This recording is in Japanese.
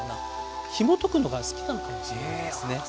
ひもとくのが好きなのかもしれないですね。